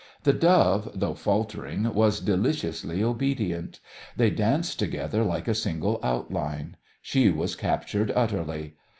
The Dove, though faltering, was deliciously obedient. They danced together like a single outline. She was captured utterly.